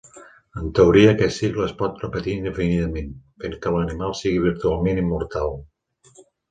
En teoria, aquest cicle es pot repetir indefinidament, fent que l'animal sigui virtualment immortal.